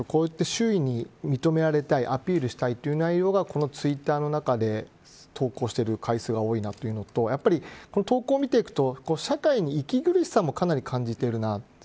周囲に認められたいアピールしたいという内容がツイッターの中で投稿している回数が多いなというのとやっぱり投稿を見ていくと社会に息苦しさもかなり感じているなと。